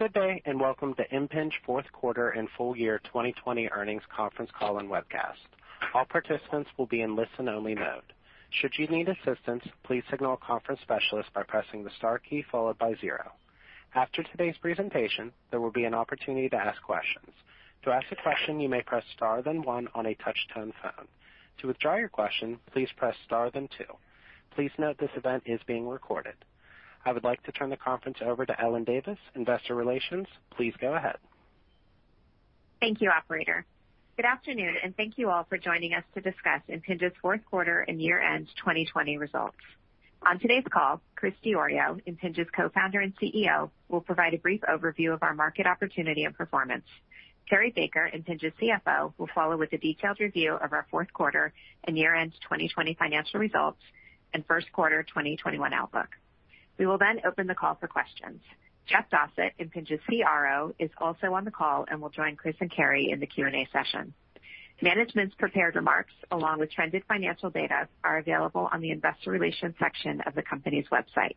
Good day, and welcome to Impinj fourth quarter and full year 2020 earnings conference call and webcast. All participants will be in listen-only mode. Should you need assistance, please signal a conference specialist by pressing the star key followed by zero. After today's presentation, there will be an opportunity to ask questions. To ask a question, you may press star then one on a touch-tone phone. To withdraw your question, please press star then two. Please note this event is being recorded. I would like to turn the conference over to Ellen Davis, Investor Relations. Please go ahead. Thank you, Operator. Good afternoon, and thank you all for joining us to discuss Impinj's fourth quarter and year-end 2020 results. On today's call, Chris Diorio, Impinj's Co-founder and CEO, will provide a brief overview of our market opportunity and performance. Cary Baker, Impinj's CFO, will follow with a detailed review of our fourth quarter and year-end 2020 financial results and first quarter 2021 outlook. We will then open the call for questions. Jeff Dossett, Impinj's CRO, is also on the call and will join Chris and Cary in the Q&A session. Management's prepared remarks, along with trended financial data, are available on the Investor Relations section of the company's website.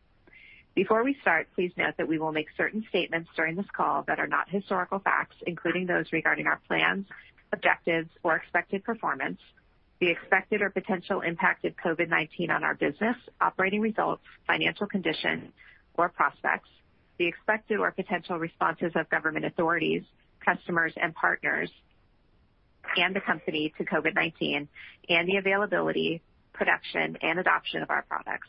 Before we start, please note that we will make certain statements during this call that are not historical facts, including those regarding our plans, objectives, or expected performance, the expected or potential impact of COVID-19 on our business, operating results, financial condition, or prospects, the expected or potential responses of government authorities, customers, and partners and the company to COVID-19, and the availability, production, and adoption of our products.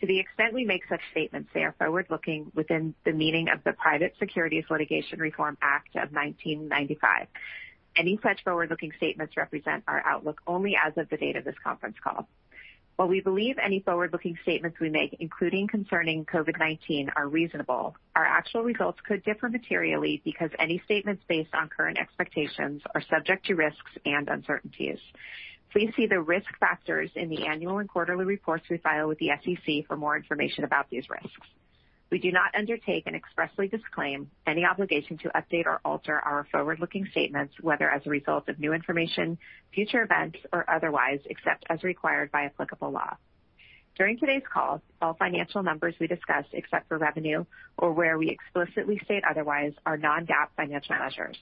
To the extent we make such statements, they are forward-looking within the meaning of the Private Securities Litigation Reform Act of 1995. Any such forward-looking statements represent our outlook only as of the date of this conference call. While we believe any forward-looking statements we make, including concerning COVID-19, are reasonable, our actual results could differ materially because any statements based on current expectations are subject to risks and uncertainties. Please see the risk factors in the annual and quarterly reports we file with the SEC for more information about these risks. We do not undertake and expressly disclaim any obligation to update or alter our forward-looking statements, whether as a result of new information, future events, or otherwise, except as required by applicable law. During today's call, all financial numbers we discuss, except for revenue or where we explicitly state otherwise, are non-GAAP financial measures.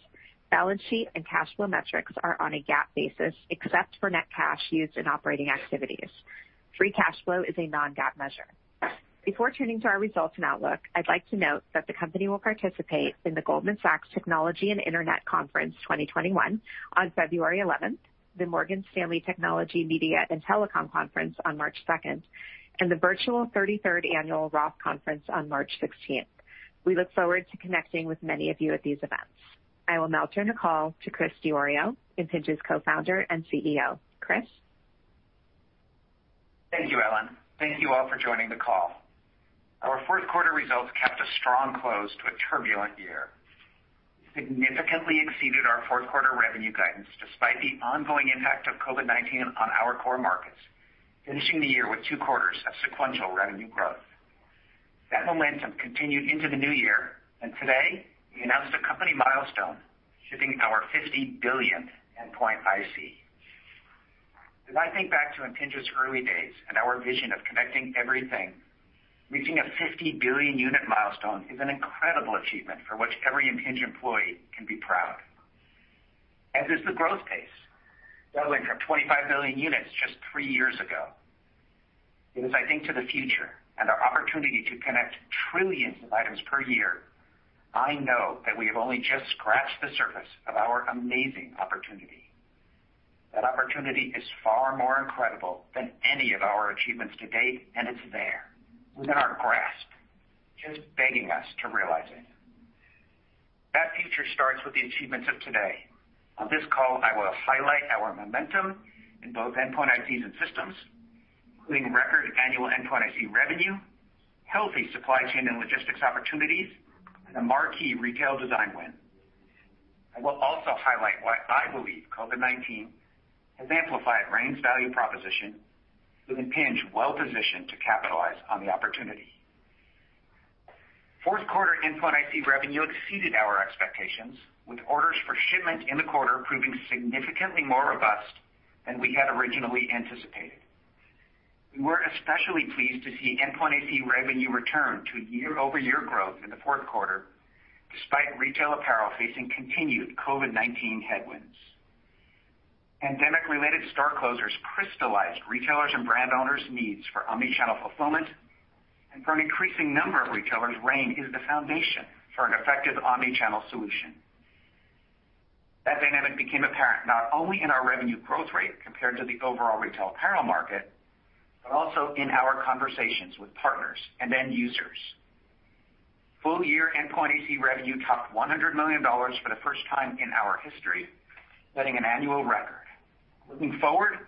Balance sheet and cash flow metrics are on a GAAP basis, except for net cash used in operating activities. Free cash flow is a non-GAAP measure. Before turning to our results and outlook, I'd like to note that the company will participate in the Goldman Sachs Technology and Internet conference 2021 on February 11th, the Morgan Stanley Technology Media and Telecom conference on March 2nd, and the virtual 33rd Annual Roth conference on March 16th. We look forward to connecting with many of you at these events. I will now turn the call to Chris Diorio, Impinj's Co-founder and CEO. Chris? Thank you, Ellen. Thank you all for joining the call. Our fourth quarter results kept a strong close to a turbulent year. We significantly exceeded our fourth quarter revenue guidance despite the ongoing impact of COVID-19 on our core markets, finishing the year with two quarters of sequential revenue growth. That momentum continued into the new year, and today we announced a company milestone, shipping our 50 billion endpoint IC. As I think back to Impinj's early days and our vision of connecting everything, reaching a 50 billion unit milestone is an incredible achievement for which every Impinj employee can be proud, and as the growth pace, doubling from 25 billion units just three years ago, and as I think to the future and our opportunity to connect trillions of items per year, I know that we have only just scratched the surface of our amazing opportunity. That opportunity is far more incredible than any of our achievements to date, and it's there, within our grasp, just begging us to realize it. That future starts with the achievements of today. On this call, I will highlight our momentum in both endpoint ICs and systems, including record annual endpoint IC revenue, healthy supply chain and logistics opportunities, and a marquee retail design win. I will also highlight why I believe COVID-19 has amplified RAIN's value proposition, with Impinj well-positioned to capitalize on the opportunity. Fourth quarter endpoint IC revenue exceeded our expectations, with orders for shipment in the quarter proving significantly more robust than we had originally anticipated. We were especially pleased to see endpoint IC revenue return to year-over-year growth in the fourth quarter, despite retail apparel facing continued COVID-19 headwinds. Pandemic-related store closures crystallized retailers' and brand owners' needs for omnichannel fulfillment, and for an increasing number of retailers, RAIN is the foundation for an effective omnichannel solution. That dynamic became apparent not only in our revenue growth rate compared to the overall retail apparel market, but also in our conversations with partners and end users. Full year endpoint IC revenue topped $100 million for the first time in our history, setting an annual record. Looking forward,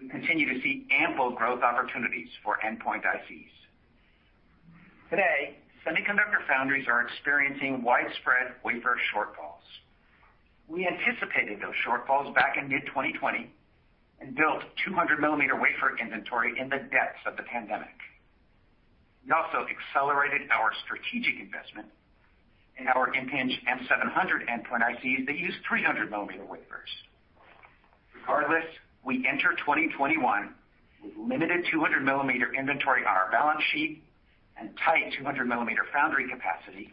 we continue to see ample growth opportunities for endpoint ICs. Today, semiconductor foundries are experiencing widespread wafer shortfalls. We anticipated those shortfalls back in mid-2020 and built 200-millimeter wafer inventory in the depths of the pandemic. We also accelerated our strategic investment in our Impinj M700 endpoint ICs that use 300-millimeter wafers. Regardless, we enter 2021 with limited 200-millimeter inventory on our balance sheet and tight 200-millimeter foundry capacity,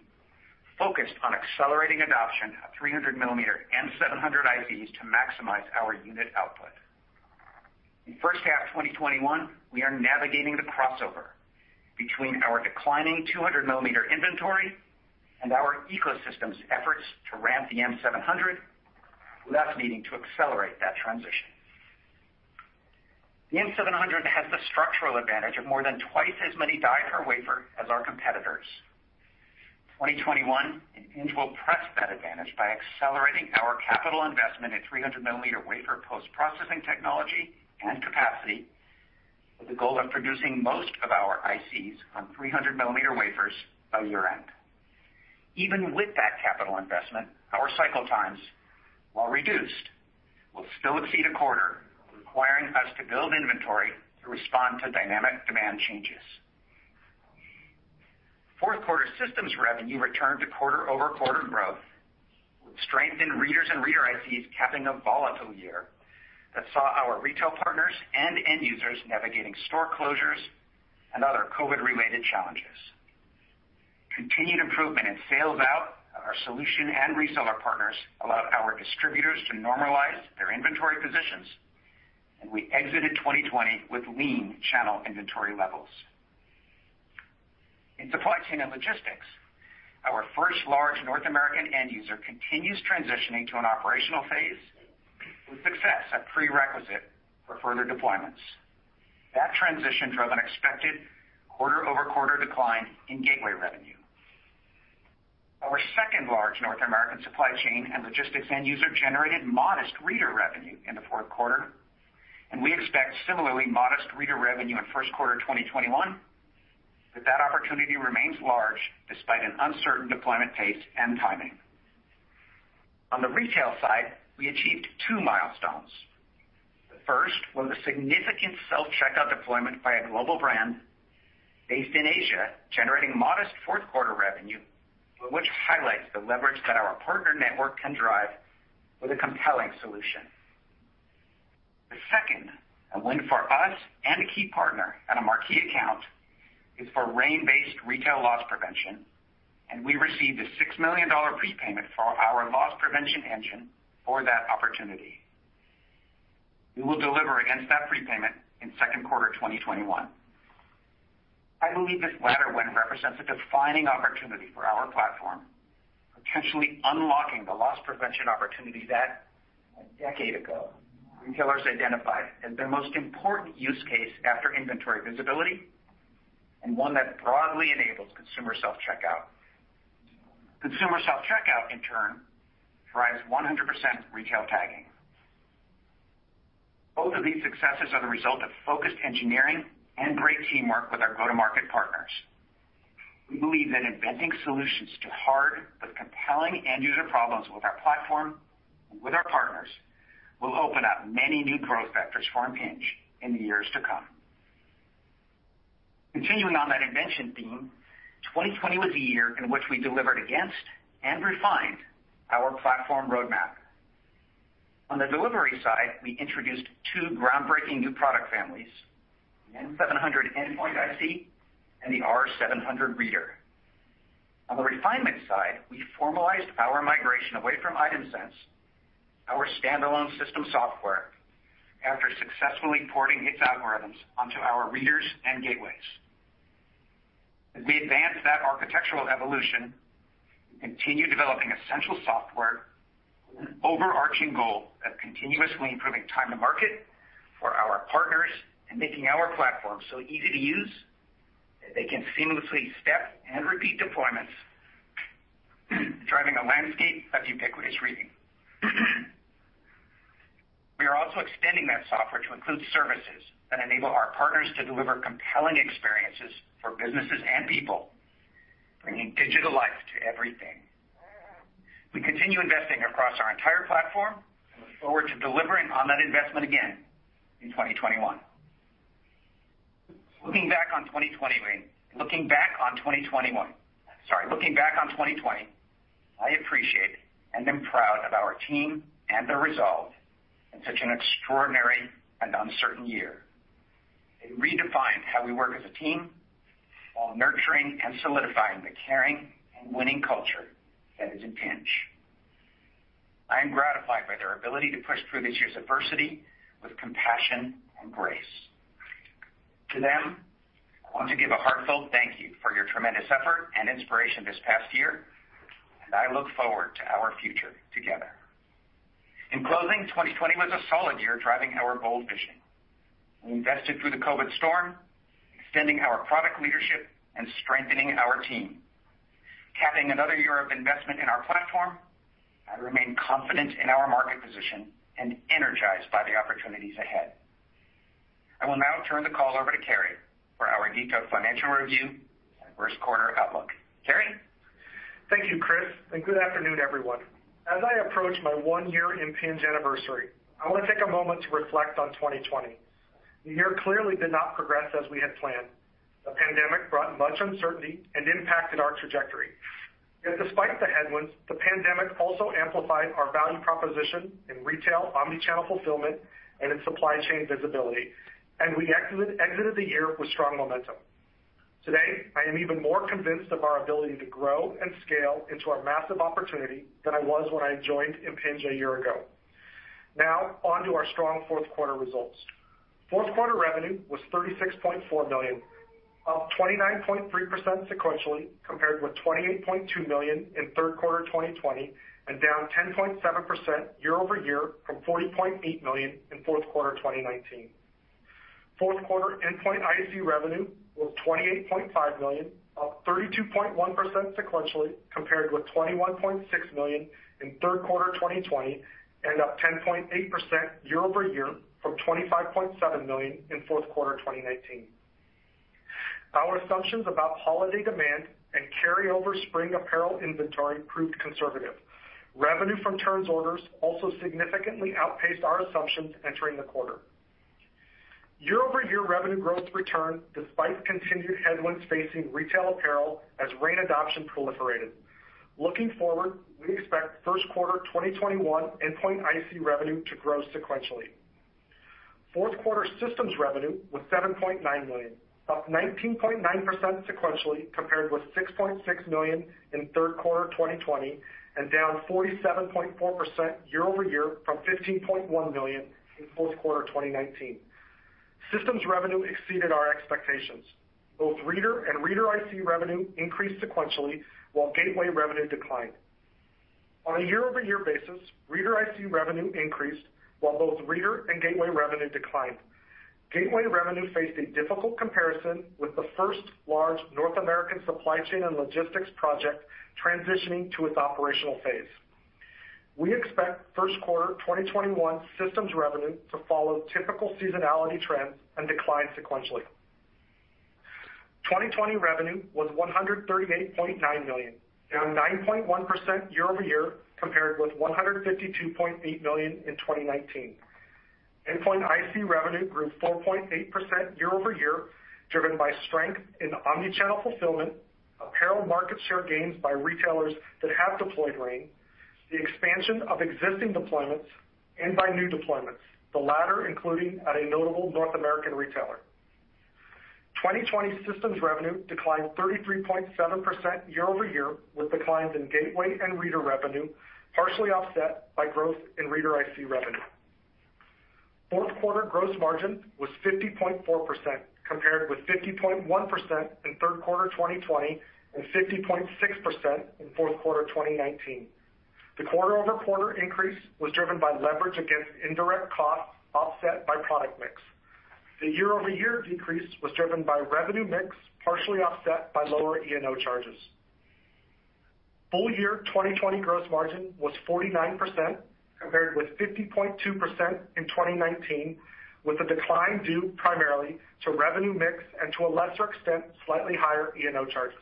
focused on accelerating adoption of 300-millimeter M700 ICs to maximize our unit output. In the first half of 2021, we are navigating the crossover between our declining 200-millimeter inventory and our ecosystem's efforts to ramp the M700, thus needing to accelerate that transition. The M700 has the structural advantage of more than twice as many die per wafer as our competitors. In 2021, Impinj will press that advantage by accelerating our capital investment in 300-millimeter wafer post-processing technology and capacity, with the goal of producing most of our ICs on 300-millimeter wafers by year-end. Even with that capital investment, our cycle times, while reduced, will still exceed a quarter, requiring us to build inventory to respond to dynamic demand changes. Fourth quarter systems revenue returned to quarter-over-quarter growth, with strength in readers and reader ICs capping a volatile year that saw our retail partners and end users navigating store closures and other COVID-related challenges. Continued improvement in sales out of our solution and reseller partners allowed our distributors to normalize their inventory positions, and we exited 2020 with lean channel inventory levels. In supply chain and logistics, our first large North American end user continues transitioning to an operational phase, with success a prerequisite for further deployments. That transition drove an expected quarter-over-quarter decline in gateway revenue. Our second large North American supply chain and logistics end user generated modest reader revenue in the fourth quarter, and we expect similarly modest reader revenue in first quarter 2021, but that opportunity remains large despite an uncertain deployment pace and timing. On the retail side, we achieved two milestones. The first was a significant self-checkout deployment by a global brand based in Asia, generating modest fourth quarter revenue, which highlights the leverage that our partner network can drive with a compelling solution. The second, a win for us and a key partner at a marquee account, is for RAIN-based retail loss prevention, and we received a $6 million prepayment for our loss prevention engine for that opportunity. We will deliver against that prepayment in second quarter 2021. I believe this latter win represents a defining opportunity for our platform, potentially unlocking the loss prevention opportunity that, a decade ago, retailers identified as their most important use case after inventory visibility, and one that broadly enables consumer self-checkout. Consumer self-checkout, in turn, drives 100% retail tagging. Both of these successes are the result of focused engineering and great teamwork with our go-to-market partners. We believe that inventing solutions to hard, but compelling end user problems with our platform and with our partners will open up many new growth vectors for Impinj in the years to come. Continuing on that Impinj theme, 2020 was the year in which we delivered against and refined our platform roadmap. On the delivery side, we introduced two groundbreaking new product families: the M700 endpoint IC and the R700 reader. On the refinement side, we formalized our migration away from ItemSense, our standalone system software, after successfully porting its algorithms onto our readers and gateways. As we advance that architectural evolution, we continue developing essential software with an overarching goal of continuously improving time to market for our partners and making our platform so easy to use that they can seamlessly step and repeat deployments, driving a landscape of ubiquitous reading. We are also extending that software to include services that enable our partners to deliver compelling experiences for businesses and people, bringing digital life to everything. We continue investing across our entire platform and look forward to delivering on that investment again in 2021. Looking back on 2020, sorry, looking back on 2020, I appreciate and am proud of our team and their resolve in such an extraordinary and uncertain year. They redefined how we work as a team while nurturing and solidifying the caring and winning culture that is Impinj. I am gratified by their ability to push through this year's adversity with compassion and grace. To them, I want to give a heartfelt thank you for your tremendous effort and inspiration this past year, and I look forward to our future together. In closing, 2020 was a solid year driving our bold vision. We invested through the COVID storm, extending our product leadership and strengthening our team. Capping another year of investment in our platform, I remain confident in our market position and energized by the opportunities ahead. I will now turn the call over to Cary for our detailed financial review and first quarter outlook. Cary? Thank you, Chris, and good afternoon, everyone. As I approach my one-year Impinj anniversary, I want to take a moment to reflect on 2020. The year clearly did not progress as we had planned. The pandemic brought much uncertainty and impacted our trajectory. Yet, despite the headwinds, the pandemic also amplified our value proposition in retail omnichannel fulfillment and in supply chain visibility, and we exited the year with strong momentum. Today, I am even more convinced of our ability to grow and scale into a massive opportunity than I was when I joined Impinj a year ago. Now, on to our strong fourth quarter results. Fourth quarter revenue was $36.4 million, up 29.3% sequentially compared with $28.2 million in third quarter 2020, and down 10.7% year-over-year from $40.8 million in fourth quarter 2019. Fourth quarter Endpoint IC revenue was $28.5 million, up 32.1% sequentially compared with $21.6 million in third quarter 2020, and up 10.8% year-over-year from $25.7 million in fourth quarter 2019. Our assumptions about holiday demand and carryover spring apparel inventory proved conservative. Revenue from turns orders also significantly outpaced our assumptions entering the quarter. Year-over-year revenue growth returned despite continued headwinds facing retail apparel as RAIN adoption proliferated. Looking forward, we expect first quarter 2021 Endpoint IC revenue to grow sequentially. Fourth quarter systems revenue was $7.9 million, up 19.9% sequentially compared with $6.6 million in third quarter 2020, and down 47.4% year-over-year from $15.1 million in fourth quarter 2019. Systems revenue exceeded our expectations. Both reader and reader IC revenue increased sequentially while gateway revenue declined. On a year-over-year basis, reader IC revenue increased while both reader and gateway revenue declined. Gateway revenue faced a difficult comparison with the first large North American supply chain and logistics project transitioning to its operational phase. We expect first quarter 2021 systems revenue to follow typical seasonality trends and decline sequentially. 2020 revenue was $138.9 million, down 9.1% year-over-year compared with $152.8 million in 2019. Endpoint IC revenue grew 4.8% year-over-year, driven by strength in omnichannel fulfillment, apparel market share gains by retailers that have deployed RAIN, the expansion of existing deployments, and by new deployments, the latter including at a notable North American retailer. 2020 systems revenue declined 33.7% year-over-year with declines in gateway and reader revenue, partially offset by growth in reader IC revenue. Fourth quarter gross margin was 50.4% compared with 50.1% in third quarter 2020 and 50.6% in fourth quarter 2019. The quarter-over-quarter increase was driven by leverage against indirect costs offset by product mix. The year-over-year decrease was driven by revenue mix, partially offset by lower E&O charges. Full year 2020 gross margin was 49% compared with 50.2% in 2019, with a decline due primarily to revenue mix and to a lesser extent slightly higher E&O charges.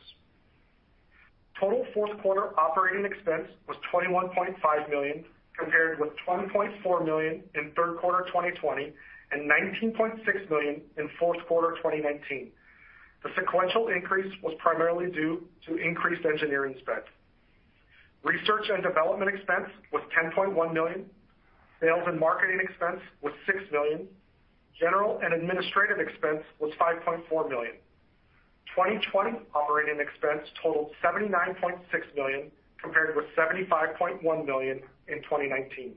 Total fourth quarter operating expense was $21.5 million compared with $10.4 million in third quarter 2020 and $19.6 million in fourth quarter 2019. The sequential increase was primarily due to increased engineering spend. Research and development expense was $10.1 million. Sales and marketing expense was $6 million. General and administrative expense was $5.4 million. 2020 operating expense totaled $79.6 million compared with $75.1 million in 2019.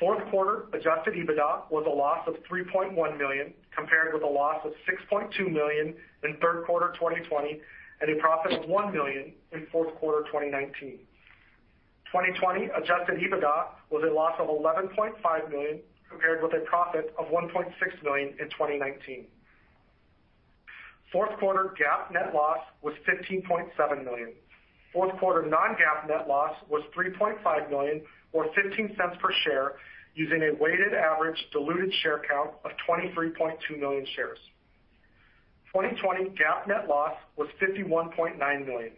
Fourth quarter Adjusted EBITDA was a loss of $3.1 million compared with a loss of $6.2 million in third quarter 2020 and a profit of $1 million in fourth quarter 2019. 2020 Adjusted EBITDA was a loss of $11.5 million compared with a profit of $1.6 million in 2019. Fourth quarter GAAP net loss was $15.7 million. Fourth quarter non-GAAP net loss was $3.5 million or $0.15 per share using a weighted average diluted share count of 23.2 million shares. 2020 GAAP net loss was $51.9 million.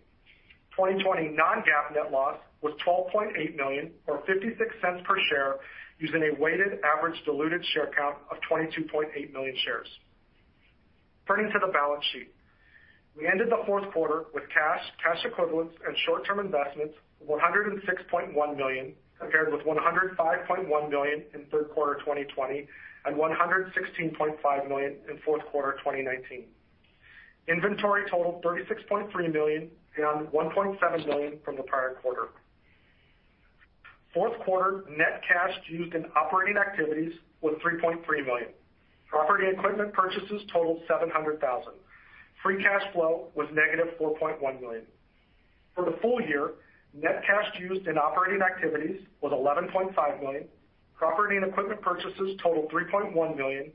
2020 non-GAAP net loss was $12.8 million or $0.56 per share using a weighted average diluted share count of 22.8 million shares. Turning to the balance sheet, we ended the fourth quarter with cash, cash equivalents, and short-term investments of $106.1 million compared with $105.1 million in third quarter 2020 and $116.5 million in fourth quarter 2019. Inventory totaled $36.3 million and $1.7 million from the prior quarter. Fourth quarter net cash used in operating activities was $3.3 million. Property and equipment purchases totaled $700,000. Free cash flow was negative $4.1 million. For the full year, net cash used in operating activities was $11.5 million. Property and equipment purchases totaled $3.1 million.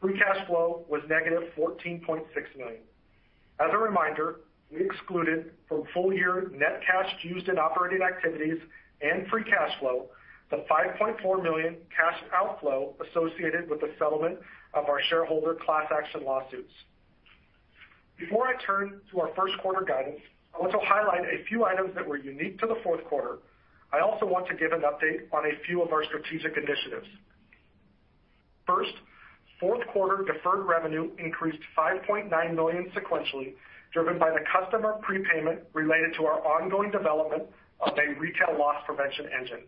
Free cash flow was negative $14.6 million. As a reminder, we excluded from full year net cash used in operating activities and free cash flow the $5.4 million cash outflow associated with the settlement of our shareholder class action lawsuits. Before I turn to our first quarter guidance, I want to highlight a few items that were unique to the fourth quarter. I also want to give an update on a few of our strategic initiatives. First, fourth quarter deferred revenue increased $5.9 million sequentially, driven by the customer prepayment related to our ongoing development of a retail loss prevention engine.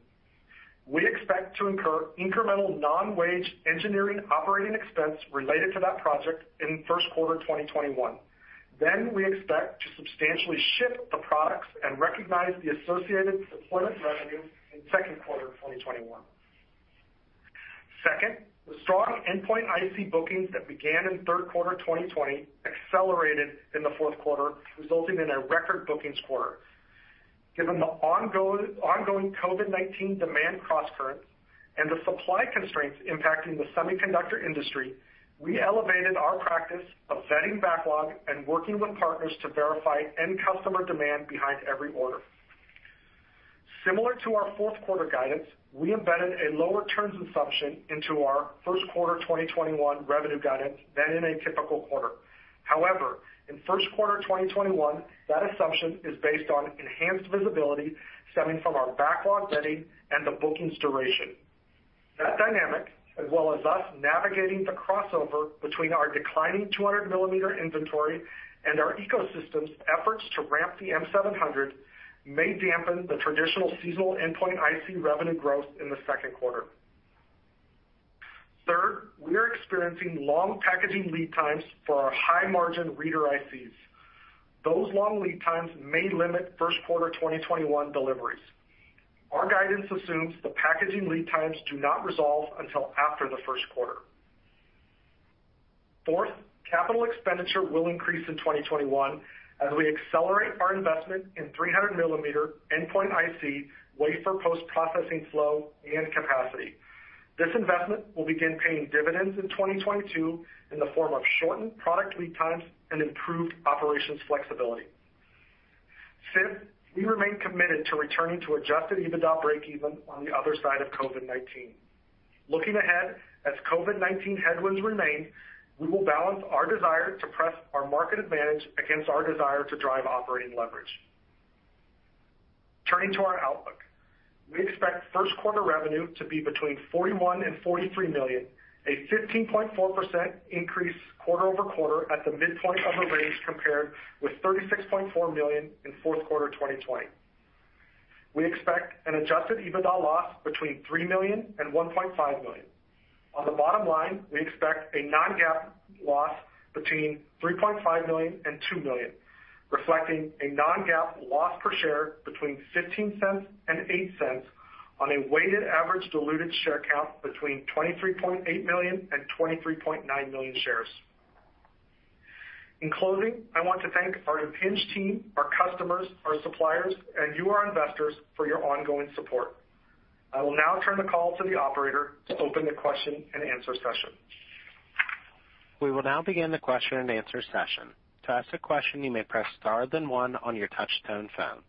We expect to incur incremental non-wage engineering operating expense related to that project in first quarter 2021. Then, we expect to substantially ship the products and recognize the associated deployment revenue in second quarter 2021. Second, the strong endpoint IC bookings that began in third quarter 2020 accelerated in the fourth quarter, resulting in a record bookings quarter. Given the ongoing COVID-19 demand cross-currents and the supply constraints impacting the semiconductor industry, we elevated our practice of vetting backlog and working with partners to verify end customer demand behind every order. Similar to our fourth quarter guidance, we embedded a lower turns assumption into our first quarter 2021 revenue guidance than in a typical quarter. However, in first quarter 2021, that assumption is based on enhanced visibility stemming from our backlog vetting and the bookings duration. That dynamic, as well as us navigating the crossover between our declining 200-millimeter inventory and our ecosystem's efforts to ramp the M700, may dampen the traditional seasonal endpoint IC revenue growth in the second quarter. Third, we are experiencing long packaging lead times for our high-margin reader ICs. Those long lead times may limit first quarter 2021 deliveries. Our guidance assumes the packaging lead times do not resolve until after the first quarter. Fourth, capital expenditure will increase in 2021 as we accelerate our investment in 300-millimeter endpoint IC, wafer post-processing flow, and capacity. This investment will begin paying dividends in 2022 in the form of shortened product lead times and improved operations flexibility. Fifth, we remain committed to returning to Adjusted EBITDA break-even on the other side of COVID-19. Looking ahead as COVID-19 headwinds remain, we will balance our desire to press our market advantage against our desire to drive operating leverage. Turning to our outlook, we expect first quarter revenue to be between $41 million and $43 million, a 15.4% increase quarter-over-quarter at the midpoint of a range compared with $36.4 million in fourth quarter 2020. We expect an Adjusted EBITDA loss between $3 million and $1.5 million. On the bottom line, we expect a non-GAAP loss between $3.5 million and $2 million, reflecting a non-GAAP loss per share between $0.15 and $0.08 on a weighted average diluted share count between 23.8 million and 23.9 million shares. In closing, I want to thank our Impinj team, our customers, our suppliers, and you, our investors, for your ongoing support. I will now turn the call to the operator to open the question and answer session. We will now begin the question and answer session. To ask a question, you may press star then one on your touch-tone phone.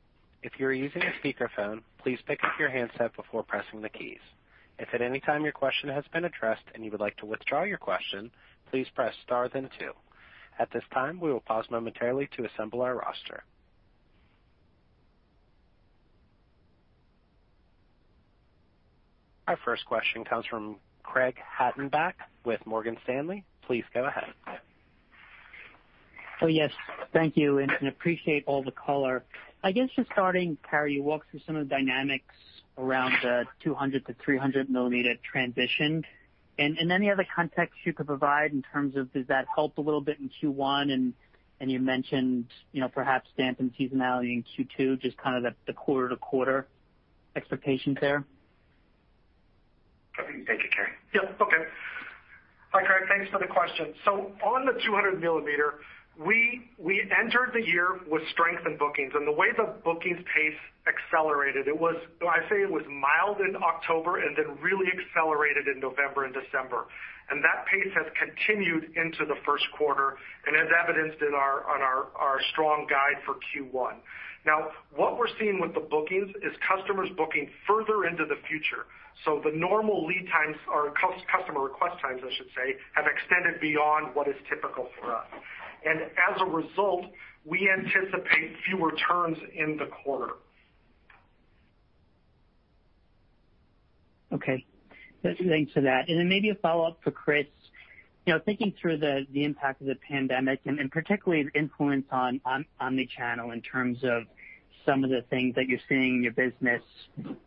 If you are using a speakerphone, please pick up your handset before pressing the keys. If at any time your question has been addressed and you would like to withdraw your question, please press star then two. At this time, we will pause momentarily to assemble our roster. Our first question comes from Craig Hettenbach with Morgan Stanley. Please go ahead. So yes, thank you, and appreciate all the color. I guess just starting, Cary, you walked through some of the dynamics around the 200 to 300 millimeter transition. And any other context you could provide in terms of, does that help a little bit in Q1? And you mentioned perhaps dampened seasonality in Q2, just kind of the quarter-to-quarter expectations there. Yep, okay. Hi, Craig. Thanks for the question. So on the 200 millimeter, we entered the year with strength in bookings. And the way the bookings pace accelerated, I'd say it was mild in October and then really accelerated in November and December. And that pace has continued into the first quarter and has evidenced in our strong guide for Q1. Now, what we're seeing with the bookings is customers booking further into the future. So the normal lead times, or customer request times, I should say, have extended beyond what is typical for us. And as a result, we anticipate fewer turns in the quarter. Okay. Thanks for that. And then maybe a follow-up for Chris. Thinking through the impact of the pandemic and particularly the influence on omnichannel in terms of some of the things that you're seeing in your business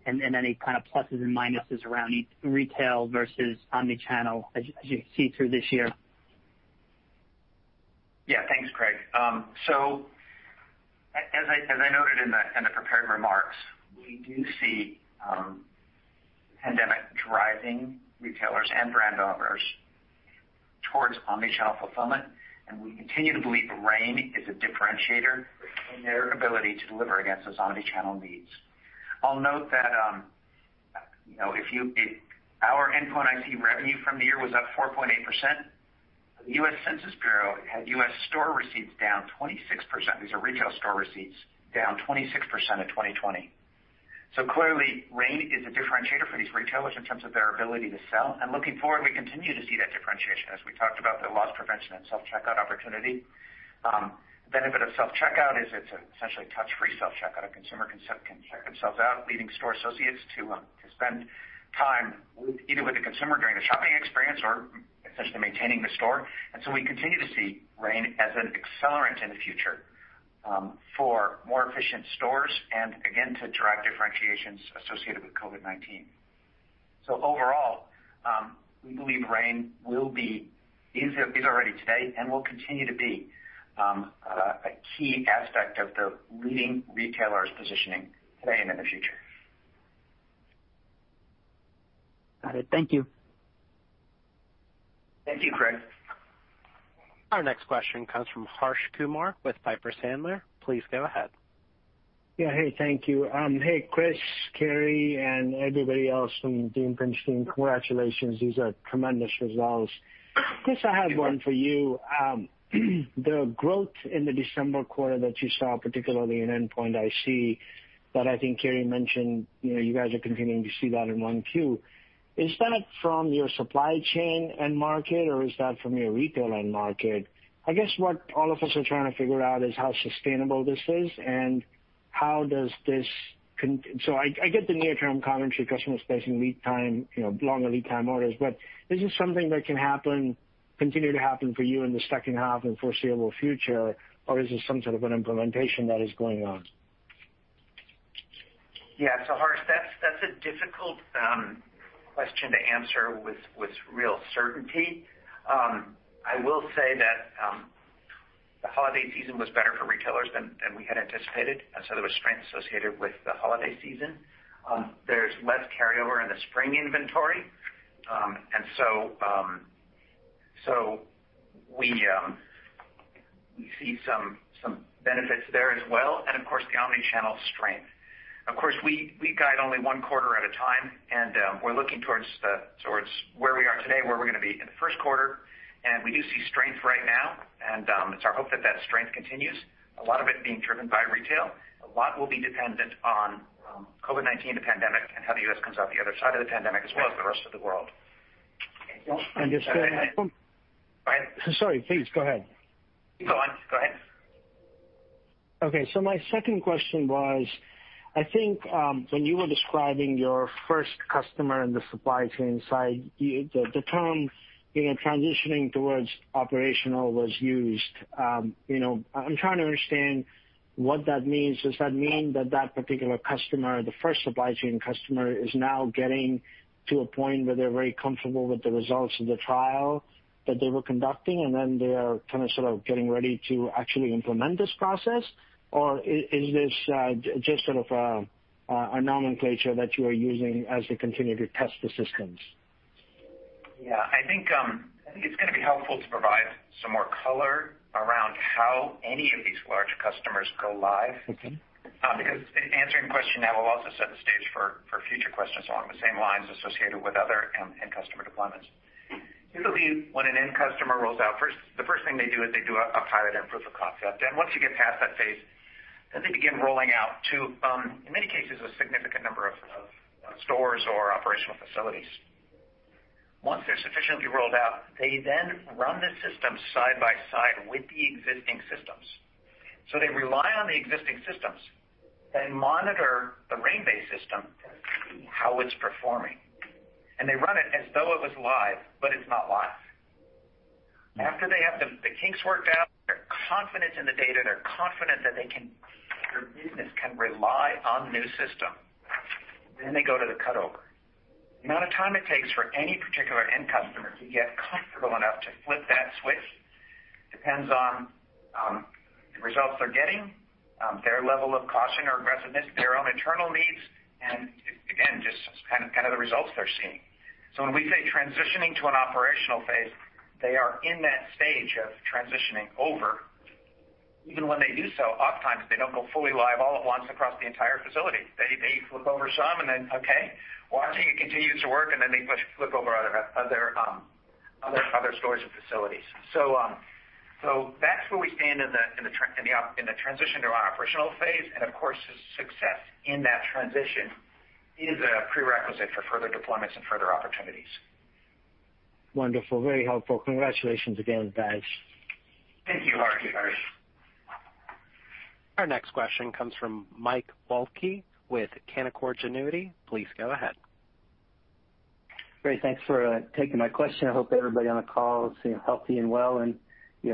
and any kind of pluses and minuses around retail versus omnichannel as you see through this year? Yeah, thanks, Craig. So as I noted in the prepared remarks, we do see the pandemic driving retailers and brand owners towards omnichannel fulfillment. And we continue to believe RAIN is a differentiator in their ability to deliver against those omnichannel needs. I'll note that if our endpoint IC revenue from the year was up 4.8%, the U.S. Census Bureau had U.S. store receipts down 26%. These are retail store receipts down 26% in 2020. So clearly, RAIN is a differentiator for these retailers in terms of their ability to sell. And looking forward, we continue to see that differentiation as we talked about the loss prevention and self-checkout opportunity. The benefit of self-checkout is it's essentially a touch-free self-checkout. A consumer can check themselves out, leaving store associates to spend time either with the consumer during the shopping experience or essentially maintaining the store. And so we continue to see RAIN as an accelerant in the future for more efficient stores and, again, to drive differentiations associated with COVID-19. So overall, we believe RAIN is already today and will continue to be a key aspect of the leading retailers' positioning today and in the future. Got it. Thank you. Thank you, Craig. Our next question comes from Harsh Kumar with Piper Sandler. Please go ahead. Yeah, hey, thank you. Hey, Chris, Cary, and everybody else from the Impinj Team, congratulations. These are tremendous results. Chris, I have one for you. The growth in the December quarter that you saw, particularly in endpoint IC, that I think Cary mentioned, you guys are continuing to see that in 1Q. Is that from your supply chain and market, or is that from your retail and market? I guess what all of us are trying to figure out is how sustainable this is and how does this so I get the near-term commentary customers placing longer lead time orders, but is this something that can continue to happen for you in the second half and foreseeable future, or is this some sort of an implementation that is going on? Yeah, so Harsh, that's a difficult question to answer with real certainty. I will say that the holiday season was better for retailers than we had anticipated, and so there was strength associated with the holiday season. There's less carryover in the spring inventory, and so we see some benefits there as well. And of course, the omnichannel strength. Of course, we guide only one quarter at a time, and we're looking towards where we are today, where we're going to be in the first quarter. And we do see strength right now, and it's our hope that that strength continues, a lot of it being driven by retail. A lot will be dependent on COVID-19, the pandemic, and how the U.S. comes out the other side of the pandemic as well as the rest of the world. I understand. Go ahead. Sorry, please go ahead. Keep going. Go ahead. Okay. So my second question was, I think when you were describing your first customer in the supply chain side, the term transitioning towards operational was used. I'm trying to understand what that means. Does that mean that that particular customer, the first supply chain customer, is now getting to a point where they're very comfortable with the results of the trial that they were conducting, and then they are kind of sort of getting ready to actually implement this process? Or is this just sort of a nomenclature that you are using as they continue to test the systems? Yeah. I think it's going to be helpful to provide some more color around how any of these large customers go live. Because in answering the question, that will also set the stage for future questions along the same lines associated with other end customer deployments. Typically, when an end customer rolls out, the first thing they do is they do a pilot and proof of concept. And once you get past that phase, then they begin rolling out to, in many cases, a significant number of stores or operational facilities. Once they're sufficiently rolled out, they then run the system side by side with the existing systems. So they rely on the existing systems and monitor the RAIN-based system to see how it's performing. And they run it as though it was live, but it's not live. After they have the kinks worked out, they're confident in the data, they're confident that their business can rely on the new system, then they go to the cutover. The amount of time it takes for any particular end customer to get comfortable enough to flip that switch depends on the results they're getting, their level of caution or aggressiveness, their own internal needs, and again, just kind of the results they're seeing. So when we say transitioning to an operational phase, they are in that stage of transitioning over. Even when they do so, oftentimes they don't go fully live all at once across the entire facility. They flip over some and then, okay, watching it continue to work, and then they flip over other stores and facilities. So that's where we stand in the transition to an operational phase. Of course, success in that transition is a prerequisite for further deployments and further opportunities. Wonderful. Very helpful. Congratulations again, guys. Thank you, Harsh. Our next question comes from Mike Walkley with Canaccord Genuity. Please go ahead. Great. Thanks for taking my question. I hope everybody on the call is healthy and well. And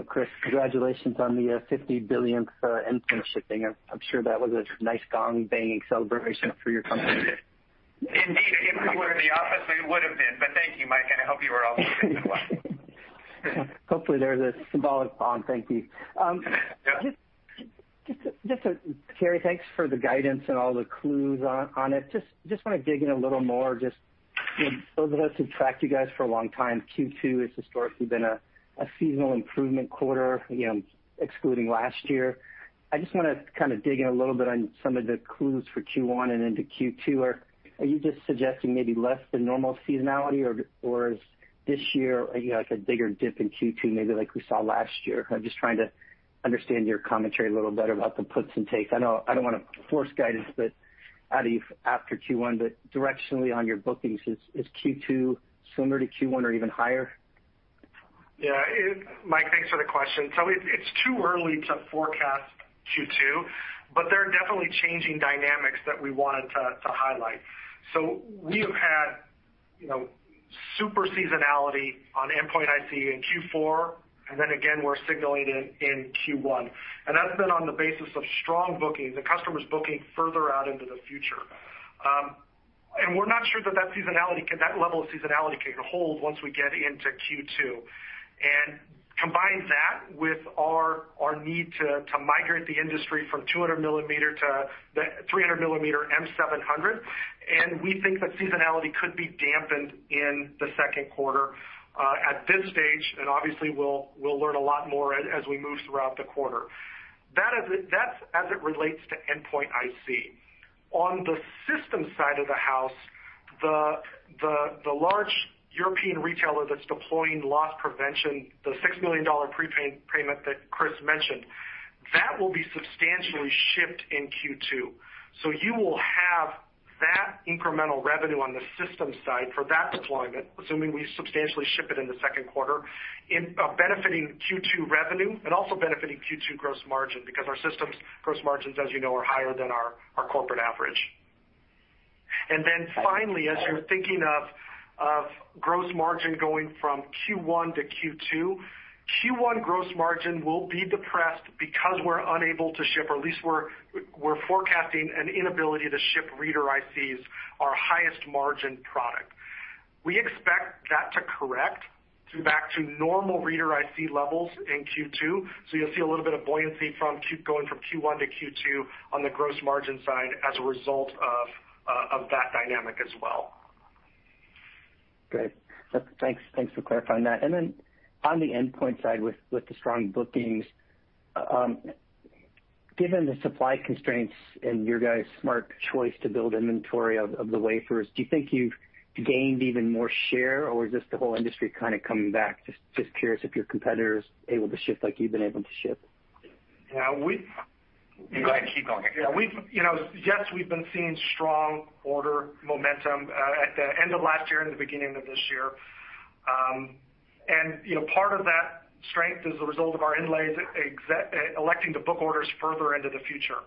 Chris, congratulations on the 50 billionth endpoint shipping. I'm sure that was a nice gong-banging celebration for your company. Indeed. If we were in the office, we would have been. But thank you, Mike, and I hope you were also in the office. Hopefully, there's a symbolic gong. Thank you. Just, Cary, thanks for the guidance and all the clues on it. Just want to dig in a little more. Just those of us who've tracked you guys for a long time, Q2 has historically been a seasonal improvement quarter, excluding last year. I just want to kind of dig in a little bit on some of the clues for Q1 and into Q2. Are you just suggesting maybe less than normal seasonality, or is this year a bigger dip in Q2, maybe like we saw last year? I'm just trying to understand your commentary a little better about the puts and takes. I don't want to force guidance after Q1, but directionally on your bookings, is Q2 similar to Q1 or even higher? Yeah. Mike, thanks for the question. So it's too early to forecast Q2, but there are definitely changing dynamics that we wanted to highlight. So we have had super seasonality on endpoint IC in Q4, and then again, we're signaling in Q1. And that's been on the basis of strong bookings, the customers booking further out into the future. And we're not sure that that level of seasonality can hold once we get into Q2. And combine that with our need to migrate the industry from 200-millimeter to the 300-millimeter M700, and we think that seasonality could be dampened in the second quarter at this stage. And obviously, we'll learn a lot more as we move throughout the quarter. That's as it relates to endpoint IC. On the system side of the house, the large European retailer that's deploying loss prevention, the $6 million prepayment that Chris mentioned, that will be substantially shipped in Q2. So you will have that incremental revenue on the system side for that deployment, assuming we substantially ship it in the second quarter, benefiting Q2 revenue and also benefiting Q2 gross margin because our system's gross margins, as you know, are higher than our corporate average. And then finally, as you're thinking of gross margin going from Q1 to Q2, Q1 gross margin will be depressed because we're unable to ship, or at least we're forecasting an inability to ship reader ICs, our highest margin product. We expect that to correct back to normal reader IC levels in Q2. So you'll see a little bit of buoyancy going from Q1 to Q2 on the gross margin side as a result of that dynamic as well. Great. Thanks for clarifying that. And then on the endpoint side with the strong bookings, given the supply constraints and your guys' smart choice to build inventory of the wafers, do you think you've gained even more share, or is this the whole industry kind of coming back? Just curious if your competitor is able to ship like you've been able to ship. Yeah. You go ahead. Keep going. Yeah. Yes, we've been seeing strong order momentum at the end of last year and the beginning of this year. And part of that strength is the result of our inlays electing to book orders further into the future.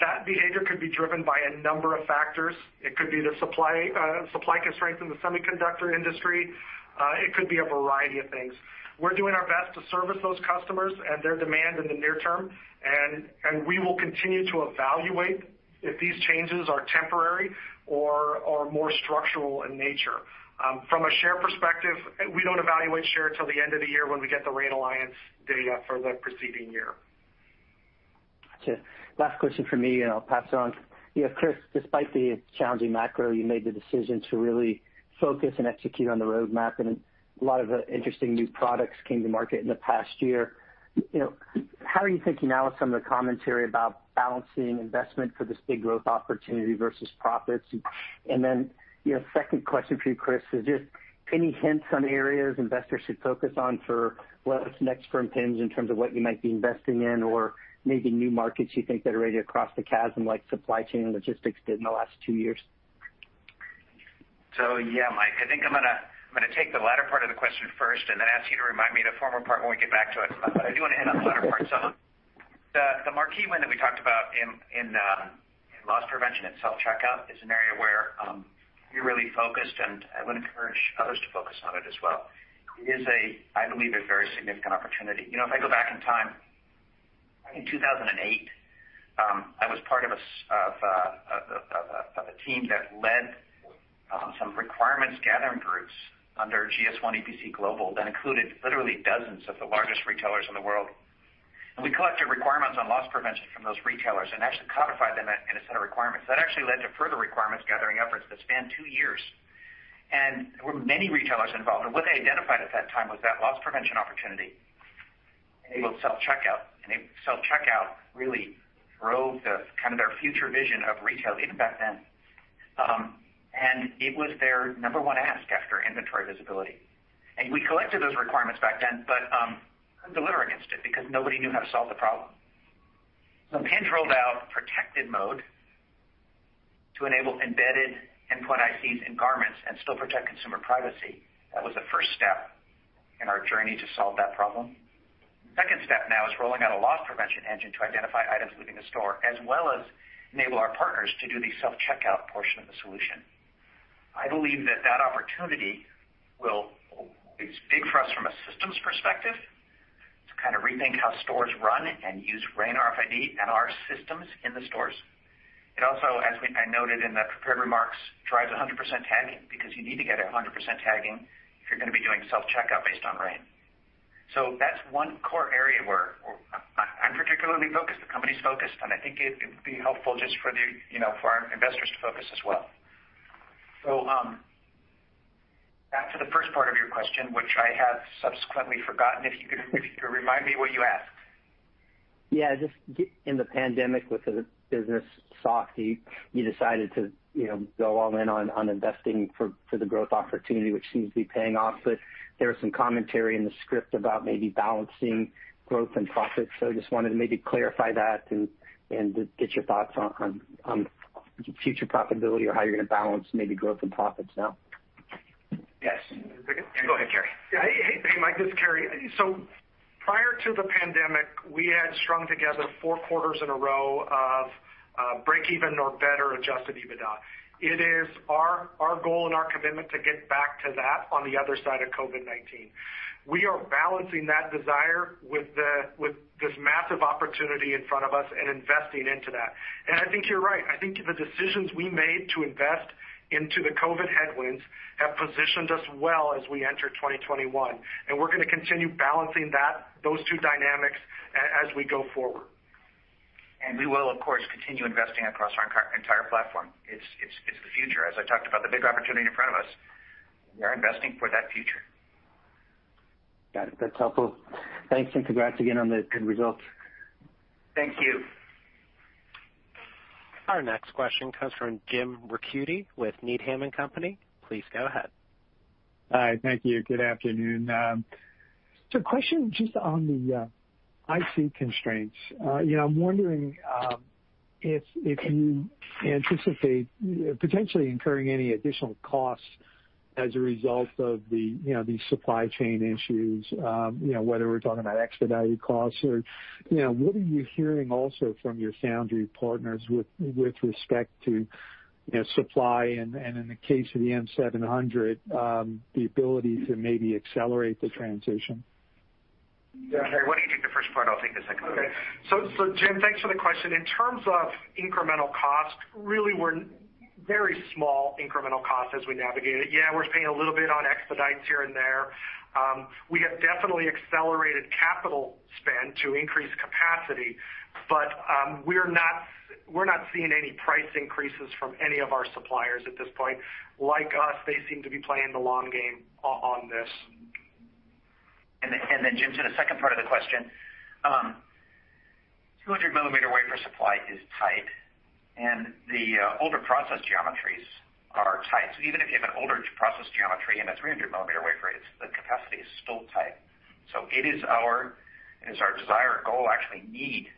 That behavior could be driven by a number of factors. It could be the supply constraints in the semiconductor industry. It could be a variety of things. We're doing our best to service those customers and their demand in the near term, and we will continue to evaluate if these changes are temporary or more structural in nature. From a share perspective, we don't evaluate share until the end of the year when we get the RAIN Alliance data for the preceding year. Gotcha. Last question from me, and I'll pass it on. Yeah, Chris, despite the challenging macro, you made the decision to really focus and execute on the roadmap, and a lot of interesting new products came to market in the past year. How are you thinking now with some of the commentary about balancing investment for this big growth opportunity versus profits? And then second question for you, Chris, is just any hints on areas investors should focus on for what's next for Impinj in terms of what you might be investing in or maybe new markets you think that are ready to cross the chasm like supply chain and logistics did in the last two years? So yeah, Mike, I think I'm going to take the latter part of the question first and then ask you to remind me of the former part when we get back to it. But I do want to hit on the latter part. The marquee win that we talked about in loss prevention and self-checkout is an area where we're really focused, and I would encourage others to focus on it as well. It is, I believe, a very significant opportunity. If I go back in time, in 2008, I was part of a team that led some requirements gathering groups under GS1 EPCglobal that included literally dozens of the largest retailers in the world. We collected requirements on loss prevention from those retailers and actually codified them in a set of requirements. That actually led to further requirements gathering efforts that spanned two years. There were many retailers involved. What they identified at that time was that loss prevention opportunity enabled self-checkout. Self-checkout really drove kind of their future vision of retail even back then. It was their number one ask after inventory visibility. We collected those requirements back then, but couldn't deliver against it because nobody knew how to solve the problem. Impinj rolled out Protected Mode to enable embedded Endpoint ICs in garments and still protect consumer privacy. That was the first step in our journey to solve that problem. The second step now is rolling out a loss prevention engine to identify items leaving the store, as well as enable our partners to do the self-checkout portion of the solution. I believe that that opportunity will be a big for us from a systems perspective to kind of rethink how stores run and use RAIN RFID and our systems in the stores. It also, as I noted in the prepared remarks, drives 100% tagging because you need to get 100% tagging if you're going to be doing self-checkout based on RAIN. So that's one core area where I'm particularly focused, the company's focused, and I think it would be helpful just for our investors to focus as well. So back to the first part of your question, which I have subsequently forgotten, if you could remind me what you asked. Yeah. Just in the pandemic, with the business soft, you decided to go all in on investing for the growth opportunity, which seems to be paying off. But there was some commentary in the script about maybe balancing growth and profits. So I just wanted to maybe clarify that and get your thoughts on future profitability or how you're going to balance maybe growth and profits now. Yes. And go ahead, Cary. Hey, Mike. This is Cary. So prior to the pandemic, we had strung together four quarters in a row of break-even or better Adjusted EBITDA. It is our goal and our commitment to get back to that on the other side of COVID-19. We are balancing that desire with this massive opportunity in front of us and investing into that. And I think you're right. I think the decisions we made to invest into the COVID headwinds have positioned us well as we enter 2021. And we're going to continue balancing those two dynamics as we go forward. And we will, of course, continue investing across our entire platform. It's the future. As I talked about, the big opportunity in front of us, we are investing for that future. Got it. That's helpful. Thanks. And congrats again on the good results. Thank you. Our next question comes from Jim Ricchiuti with Needham & Company. Please go ahead. Hi. Thank you. Good afternoon. So, question just on the IC constraints. I'm wondering if you anticipate potentially incurring any additional costs as a result of these supply chain issues, whether we're talking about expedited costs or what are you hearing also from your foundry partners with respect to supply and, in the case of the M700, the ability to maybe accelerate the transition? Yeah. Cary, why don't you take the first part? I'll take the second part. Okay. So Jim, thanks for the question. In terms of incremental costs, really we're very small incremental costs as we navigate it. Yeah, we're paying a little bit on expedites here and there. We have definitely accelerated capital spend to increase capacity, but we're not seeing any price increases from any of our suppliers at this point. Like us, they seem to be playing the long game on this. And then, Jim, to the second part of the question, 200-millimeter wafer supply is tight, and the older process geometries are tight. So even if you have an older process geometry in a 300-millimeter wafer, the capacity is still tight. So it is our desire, goal, actually need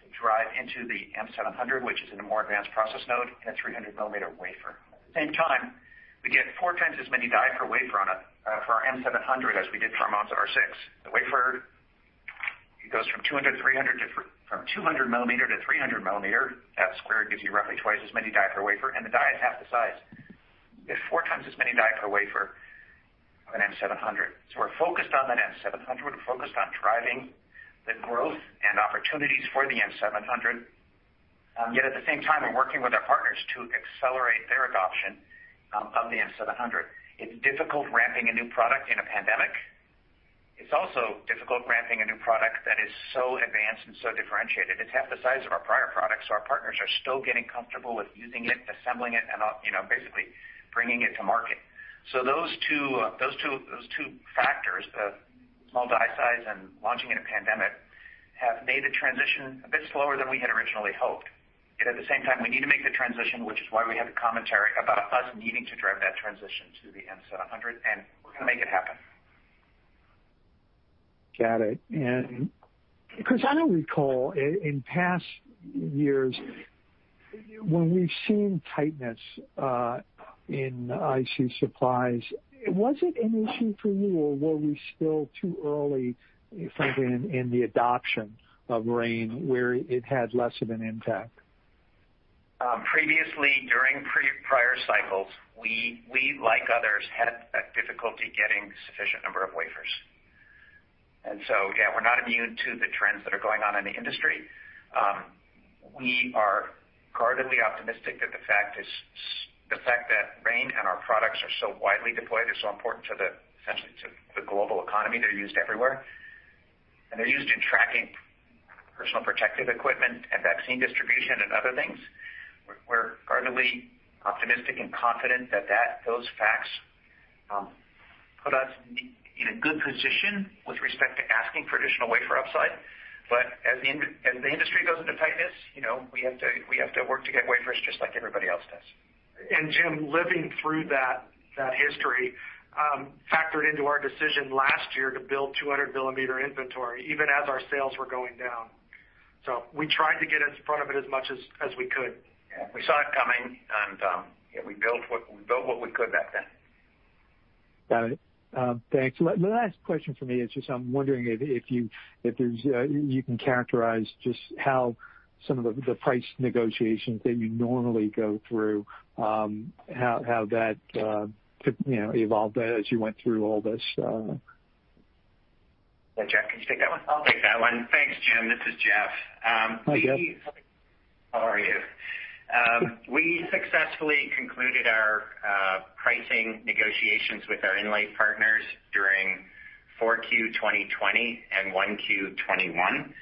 to drive into the M700, which is in a more advanced process node, in a 300-millimeter wafer. At the same time, we get four times as many die per wafer on our M700 as we did for our Monza R6. The wafer goes from 200 to 300, from 200-millimeter to 300-millimeter. That square gives you roughly twice as many die per wafer, and the die is half the size. We get four times as many die per wafer of an M700. So we're focused on that M700. We're focused on driving the growth and opportunities for the M700. Yet at the same time, we're working with our partners to accelerate their adoption of the M700. It's difficult ramping a new product in a pandemic. It's also difficult ramping a new product that is so advanced and so differentiated. It's half the size of our prior product, so our partners are still getting comfortable with using it, assembling it, and basically bringing it to market. So those two factors, the small die size and launching in a pandemic, have made the transition a bit slower than we had originally hoped. Yet at the same time, we need to make the transition, which is why we have the commentary about us needing to drive that transition to the M700, and we're going to make it happen. Got it, and because I don't recall in past years, when we've seen tightness in IC supplies, was it an issue for you, or were we still too early in the adoption of RAIN where it had less of an impact? Previously, during prior cycles, we, like others, had difficulty getting sufficient number of wafers, and so, yeah, we're not immune to the trends that are going on in the industry. We are guardedly optimistic that the fact that RAIN and our products are so widely deployed is so important to the global economy. They're used everywhere, and they're used in tracking personal protective equipment and vaccine distribution and other things. We're guardedly optimistic and confident that those facts put us in a good position with respect to asking for additional wafer upside, but as the industry goes into tightness, we have to work to get wafers just like everybody else does. Jim, living through that history, factored into our decision last year to build 200-millimeter inventory, even as our sales were going down. We tried to get in front of it as much as we could. Yeah. We saw it coming, and we built what we could back then. Got it. Thanks. The last question for me is just I'm wondering if you can characterize just how some of the price negotiations that you normally go through, how that evolved as you went through all this. Yeah. Jeff, can you take that one? I'll take that one. Thanks, Jim. This is Jeff. Hi, Jeff. How are you? We successfully concluded our pricing negotiations with our inlay partners during 4Q 2020 and 1Q 2021.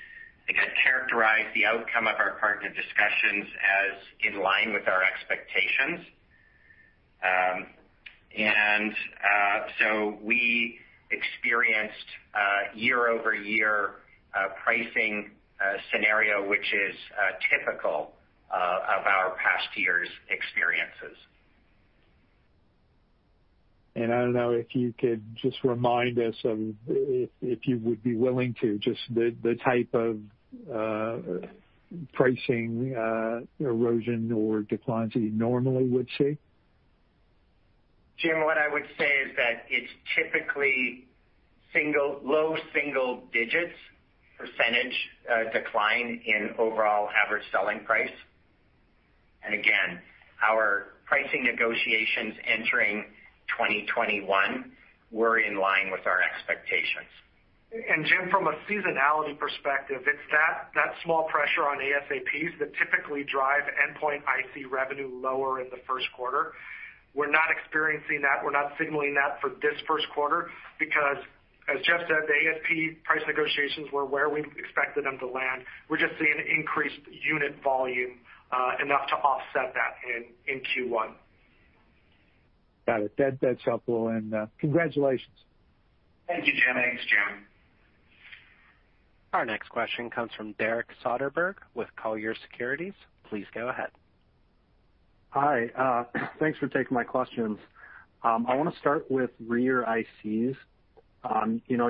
I think I'd characterize the outcome of our partner discussions as in line with our expectations. And so we experienced year-over-year pricing scenario, which is typical of our past year's experiences. And I don't know if you could just remind us of, if you would be willing to, just the type of pricing erosion or declines that you normally would see? Jim, what I would say is that it's typically low single-digit % decline in overall average selling price. And again, our pricing negotiations entering 2021 were in line with our expectations. Jim, from a seasonality perspective, it's that small pressure on ASPs that typically drive endpoint IC revenue lower in the first quarter. We're not experiencing that. We're not signaling that for this first quarter because, as Jeff said, the ASP price negotiations were where we expected them to land. We're just seeing increased unit volume enough to offset that in Q1. Got it. That's helpful and congratulations. Thank you, Jeff. Thanks, Jim. Our next question comes from Derek Soderberg with Colliers Securities. Please go ahead. Hi. Thanks for taking my questions. I want to start with reader ICs.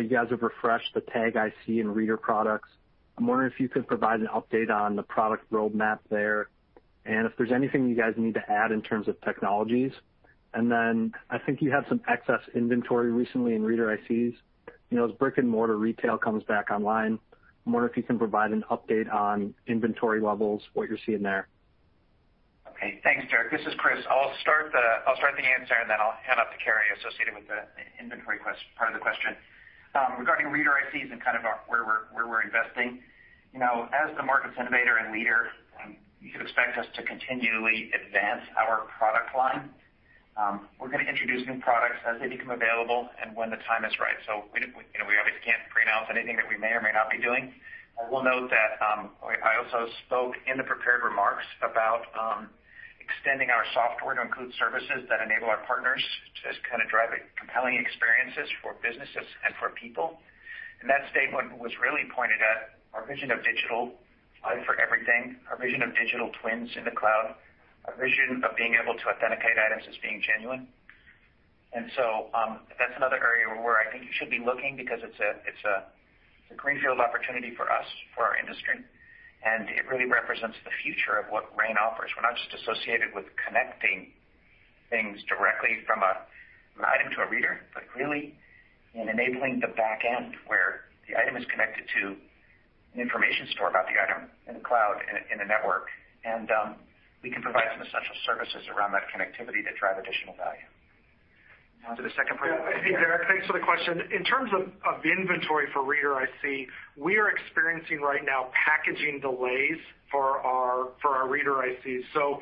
You guys have refreshed the tag IC and reader products. I'm wondering if you could provide an update on the product roadmap there and if there's anything you guys need to add in terms of technologies, and then I think you had some excess inventory recently in reader ICs. As brick-and-mortar retail comes back online, I'm wondering if you can provide an update on inventory levels, what you're seeing there. Okay. Thanks, Derek. This is Chris. I'll start the answer, and then I'll hand it off to Cary associated with the inventory part of the question. Regarding reader ICs and kind of where we're investing, as the market's innovator and leader, you can expect us to continually advance our product line. We're going to introduce new products as they become available and when the time is right. So we obviously can't pre-announce anything that we may or may not be doing. I will note that I also spoke in the prepared remarks about extending our software to include services that enable our partners to kind of drive compelling experiences for businesses and for people. And that statement was really pointed at our vision of digital life for everything, our vision of digital twins in the cloud, our vision of being able to authenticate items as being genuine. And so that's another area where I think you should be looking because it's a greenfield opportunity for us, for our industry, and it really represents the future of what RAIN offers. We're not just associated with connecting things directly from an item to a reader, but really in enabling the backend where the item is connected to an information store about the item in the cloud, in a network, and we can provide some essential services around that connectivity to drive additional value. Now, to the second part. Derek, thanks for the question. In terms of inventory for reader IC, we are experiencing right now packaging delays for our reader ICs. So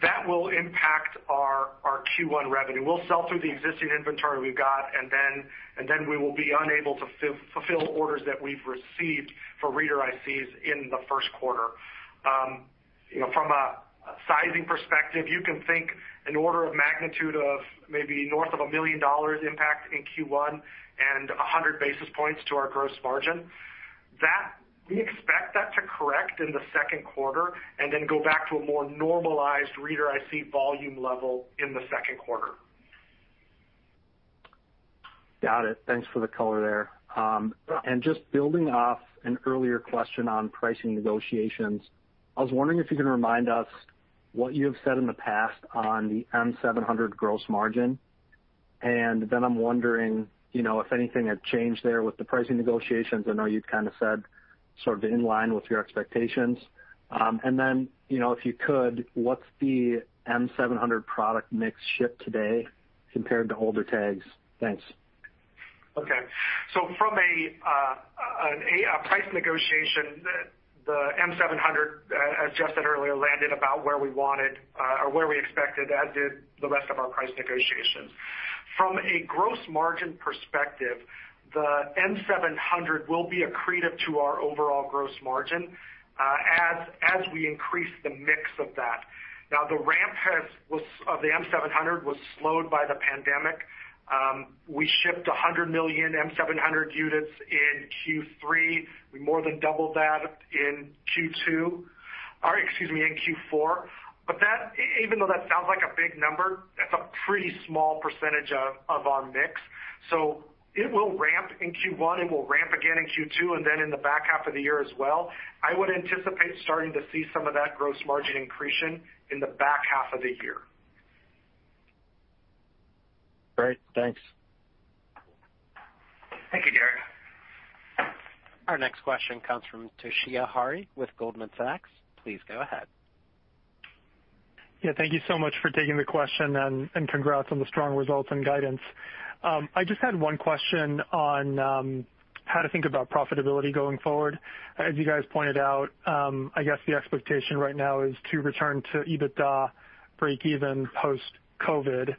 that will impact our Q1 revenue. We'll sell through the existing inventory we've got, and then we will be unable to fulfill orders that we've received for reader ICs in the first quarter. From a sizing perspective, you can think an order of magnitude of maybe north of $1 million impact in Q1 and 100 basis points to our gross margin. We expect that to correct in the second quarter and then go back to a more normalized reader IC volume level in the second quarter. Got it. Thanks for the color there, and just building off an earlier question on pricing negotiations, I was wondering if you can remind us what you have said in the past on the M700 gross margin? And then I'm wondering if anything had changed there with the pricing negotiations? I know you'd kind of said sort of in line with your expectations, and then if you could, what's the M700 product mix shipped today compared to older tags? Thanks. Okay. So from a price negotiation, the M700, as Jeff said earlier, landed about where we wanted or where we expected, as did the rest of our price negotiations. From a gross margin perspective, the M700 will be accretive to our overall gross margin as we increase the mix of that. Now, the ramp of the M700 was slowed by the pandemic. We shipped 100 million M700 units in Q3. We more than doubled that in Q2, excuse me, in Q4. But even though that sounds like a big number, that's a pretty small percentage of our mix. So it will ramp in Q1. It will ramp again in Q2 and then in the back half of the year as well. I would anticipate starting to see some of that gross margin increase in the back half of the year. Great. Thanks. Thank you, Derek. Our next question comes from Toshiya Hari with Goldman Sachs. Please go ahead. Yeah. Thank you so much for taking the question and congrats on the strong results and guidance. I just had one question on how to think about profitability going forward. As you guys pointed out, I guess the expectation right now is to return to EBITDA break-even post-COVID.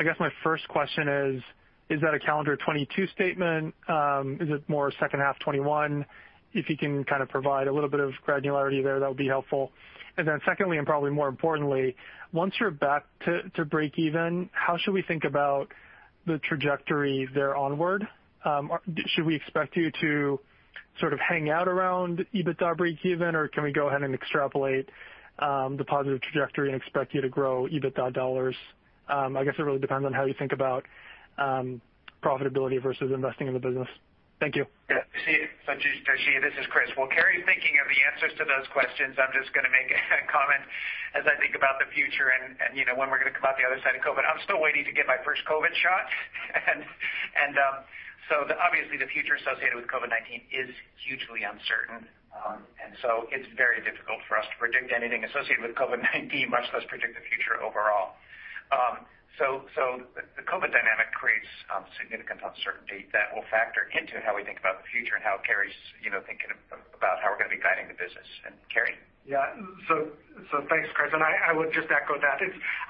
I guess my first question is, is that a calendar 2022 statement? Is it more second half 2021? If you can kind of provide a little bit of granularity there, that would be helpful. And then secondly, and probably more importantly, once you're back to break-even, how should we think about the trajectory there onward? Should we expect you to sort of hang out around EBITDA break-even, or can we go ahead and extrapolate the positive trajectory and expect you to grow EBITDA dollars? I guess it really depends on how you think about profitability versus investing in the business. Thank you. Yeah. Toshiya, this is Chris. While Cary's thinking of the answers to those questions, I'm just going to make a comment as I think about the future and when we're going to come out the other side of COVID. I'm still waiting to get my first COVID shot. And so obviously, the future associated with COVID-19 is hugely uncertain. And so it's very difficult for us to predict anything associated with COVID-19, much less predict the future overall. So the COVID dynamic creates significant uncertainty that will factor into how we think about the future and how Cary's thinking about how we're going to be guiding the business. And Cary? Yeah. So thanks, Chris. And I would just echo that.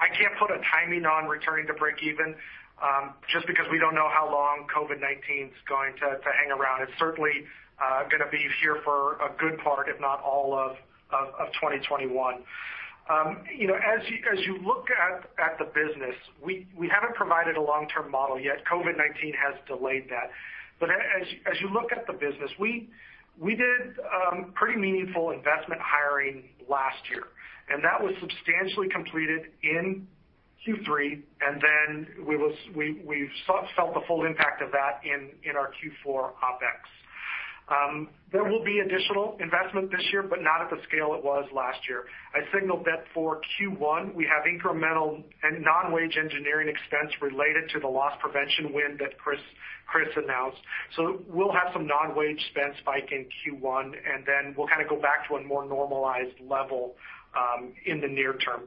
I can't put a timing on returning to break-even just because we don't know how long COVID-19 is going to hang around. It's certainly going to be here for a good part, if not all, of 2021. As you look at the business, we haven't provided a long-term model yet. COVID-19 has delayed that. But as you look at the business, we did pretty meaningful investment hiring last year, and that was substantially completed in Q3. And then we felt the full impact of that in our Q4 OpEx. There will be additional investment this year, but not at the scale it was last year. I signaled that for Q1, we have incremental and non-wage engineering expense related to the loss prevention win that Chris announced. So we'll have some non-wage spend spike in Q1, and then we'll kind of go back to a more normalized level in the near term.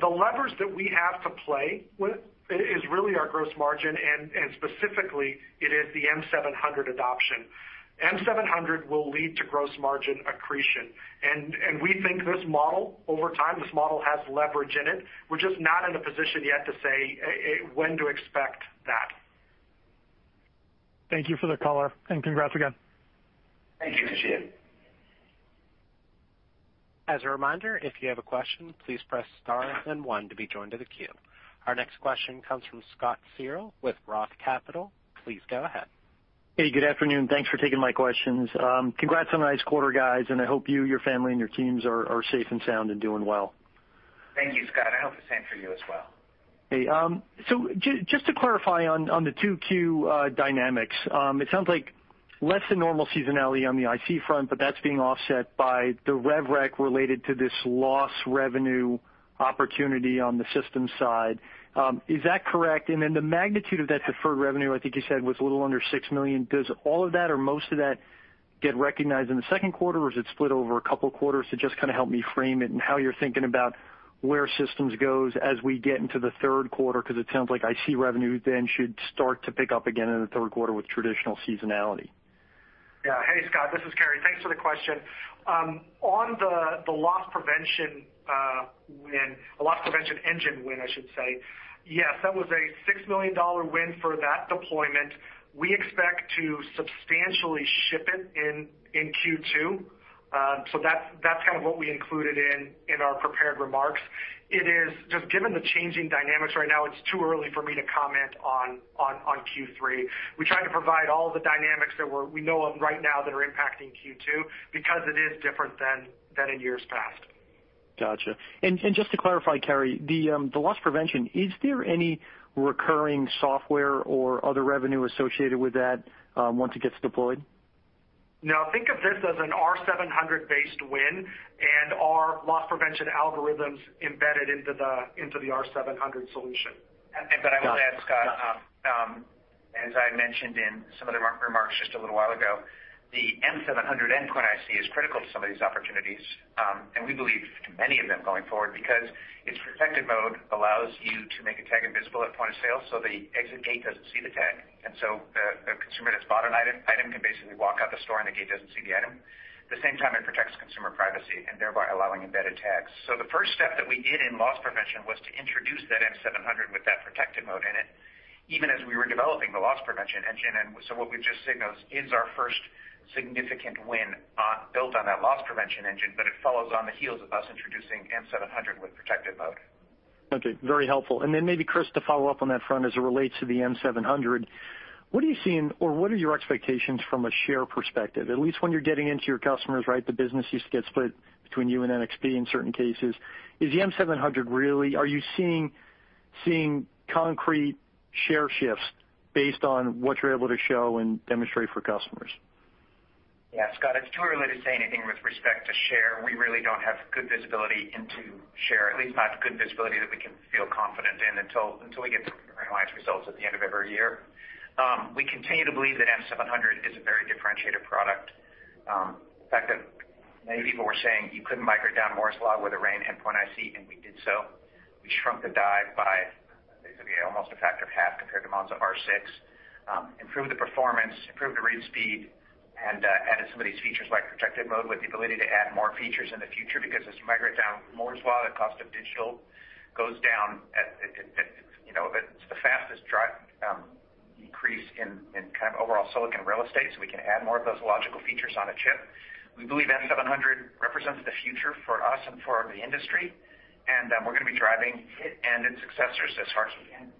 The levers that we have to play with is really our gross margin, and specifically, it is the M700 adoption. M700 will lead to gross margin accretion. And we think this model, over time, this model has leverage in it. We're just not in a position yet to say when to expect that. Thank you for the color, and congrats again. Thank you, Toshiya. As a reminder, if you have a question, please press star then one to be joined to the queue. Our next question comes from Scott Searle with Roth Capital. Please go ahead. Hey, good afternoon. Thanks for taking my questions. Congrats on the nice quarter, guys. And I hope you, your family, and your teams are safe and sound and doing well. Thank you, Scott. I hope the same for you as well. Hey. So just to clarify on the 2Q dynamics, it sounds like less than normal seasonality on the IC front, but that's being offset by the rev rec related to this large revenue opportunity on the systems side. Is that correct? And then the magnitude of that deferred revenue, I think you said was a little under $6 million. Does all of that or most of that get recognized in the second quarter, or is it split over a couple of quarters to just kind of help me frame it and how you're thinking about where systems goes as we get into the third quarter? Because it sounds like IC revenue then should start to pick up again in the third quarter with traditional seasonality. Yeah. Hey, Scott. This is Cary. Thanks for the question. On the loss prevention win, the loss prevention engine win, I should say, yes, that was a $6 million win for that deployment. We expect to substantially ship it in Q2. So that's kind of what we included in our prepared remarks. Just given the changing dynamics right now, it's too early for me to comment on Q3. We tried to provide all the dynamics that we know of right now that are impacting Q2 because it is different than in years past. Gotcha. And just to clarify, Cary, the loss prevention, is there any recurring software or other revenue associated with that once it gets deployed? No. Think of this as an R700-based win and our loss prevention algorithms embedded into the R700 solution. But I will add, Scott, as I mentioned in some of the remarks just a little while ago, the M700 endpoint IC is critical to some of these opportunities. And we believe many of them going forward because its Protected Mode allows you to make a tag invisible at point of sale so the exit gate doesn't see the tag. And so a consumer that's bought an item can basically walk out the store, and the gate doesn't see the item. At the same time, it protects consumer privacy and thereby allowing embedded tags. So the first step that we did in loss prevention was to introduce that M700 with that Protected Mode in it, even as we were developing the loss prevention engine. And so what we've just signaled is our first significant win built on that loss prevention engine, but it follows on the heels of us introducing M700 with Protected Mode. Okay. Very helpful. And then maybe, Chris, to follow up on that front as it relates to the M700, what are you seeing or what are your expectations from a share perspective, at least when you're getting into your customers, right? The business used to get split between you and NXP in certain cases. Is the M700 really, are you seeing concrete share shifts based on what you're able to show and demonstrate for customers? Yeah. Scott, it's too early to say anything with respect to share. We really don't have good visibility into share, at least not good visibility that we can feel confident in until we get the finalized results at the end of every year. We continue to believe that M700 is a very differentiated product. The fact that many people were saying you couldn't micro down Moore's Law with a RAIN endpoint IC, and we did so. We shrunk the die by basically almost a factor of half compared to Monza R6, improved the performance, improved the read speed, and added some of these features like Protected Mode with the ability to add more features in the future because as you micro down Moore's Law, the cost of digital goes down. It's the fastest increase in kind of overall silicon real estate, so we can add more of those logical features on a chip. We believe M700 represents the future for us and for the industry, and we're going to be driving it and its successors as hard as we can.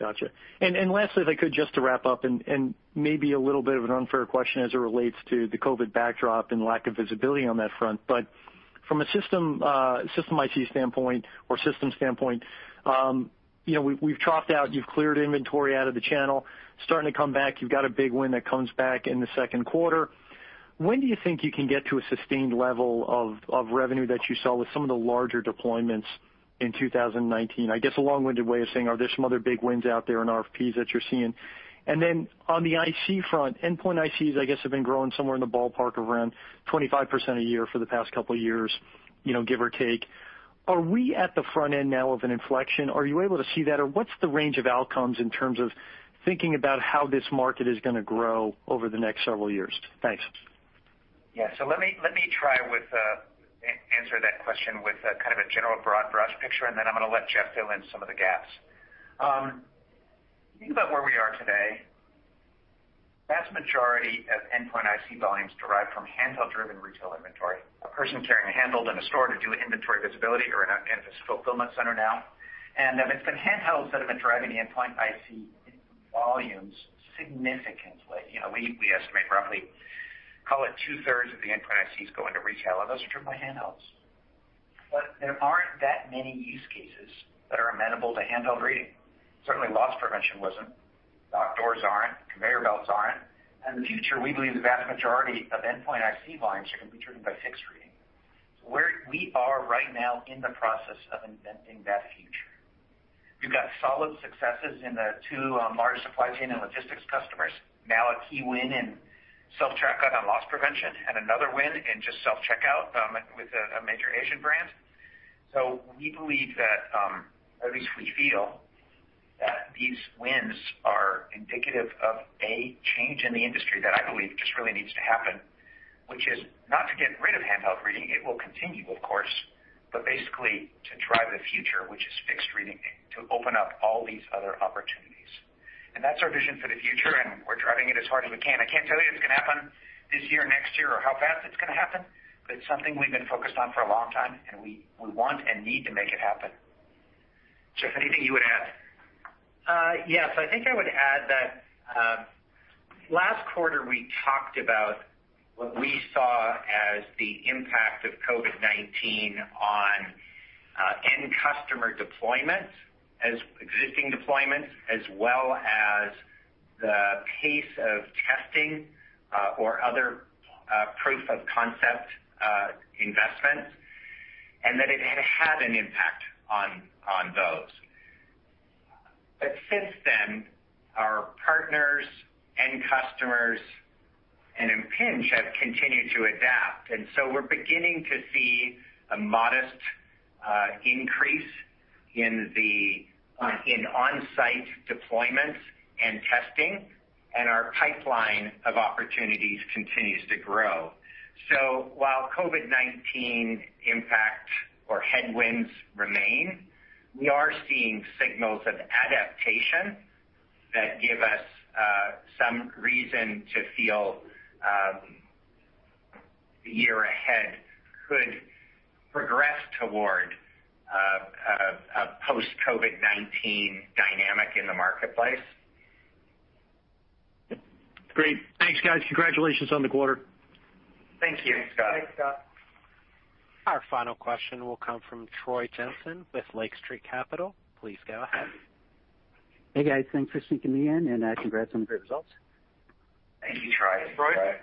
Gotcha. And lastly, if I could, just to wrap up and maybe a little bit of an unfair question as it relates to the COVID backdrop and lack of visibility on that front. But from a system IC standpoint or system standpoint, we've chopped out, you've cleared inventory out of the channel, starting to come back. You've got a big win that comes back in the second quarter. When do you think you can get to a sustained level of revenue that you saw with some of the larger deployments in 2019? I guess a long-winded way of saying, are there some other big wins out there in RFPs that you're seeing? And then on the IC front, endpoint ICs, I guess, have been growing somewhere in the ballpark of around 25% a year for the past couple of years, give or take. Are we at the front end now of an inflection? Are you able to see that, or what's the range of outcomes in terms of thinking about how this market is going to grow over the next several years? Thanks. Yeah. So let me try to answer that question with kind of a general broad brush picture, and then I'm going to let Jeff fill in some of the gaps. Think about where we are today. The vast majority of endpoint IC volumes derive from handheld-driven retail inventory. A person carrying a handheld in a store to do inventory visibility or in a fulfillment center now, and it's been handhelds that have been driving the endpoint IC volumes significantly. We estimate roughly, call it two-thirds of the endpoint ICs go into retail, and those are driven by handhelds. But there aren't that many use cases that are amenable to handheld reading. Certainly, loss prevention wasn't. Locked doors aren't. Conveyor belts aren't, and in the future, we believe the vast majority of endpoint IC volumes are going to be driven by fixed reading. So we are right now in the process of inventing that future. We've got solid successes in the two large supply chain and logistics customers. Now a key win in self-checkout on loss prevention and another win in just self-checkout with a major Asian brand. So we believe that, or at least we feel, that these wins are indicative of a change in the industry that I believe just really needs to happen, which is not to get rid of handheld reading. It will continue, of course, but basically to drive the future, which is fixed reading, to open up all these other opportunities. And that's our vision for the future, and we're driving it as hard as we can. I can't tell you, it's going to happen this year, next year, or how fast it's going to happen, but it's something we've been focused on for a long time, and we want and need to make it happen. Jeff, anything you would add? Yes. I think I would add that last quarter we talked about what we saw as the impact of COVID-19 on end customer deployments, existing deployments, as well as the pace of testing or other proof of concept investments, and that it had had an impact on those, but since then, our partners and customers and Impinj have continued to adapt, and so we're beginning to see a modest increase in on-site deployments and testing, and our pipeline of opportunities continues to grow. So while COVID-19 impact or headwinds remain, we are seeing signals of adaptation that give us some reason to feel the year ahead could progress toward a post-COVID-19 dynamic in the marketplace. Great. Thanks, guys. Congratulations on the quarter. Thank you, Scott. Thanks, Scott. Our final question will come from Troy Jensen with Lake Street Capital. Please go ahead. Hey, guys. Thanks for sneaking me in, and congrats on the great results. Thank you, Troy. Troy. Troy.